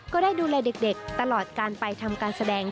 ก็ได้ดูแลเด็กตลอดการไปทำการแสดง